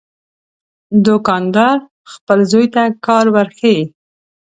دوکاندار خپل زوی ته کار ورښيي.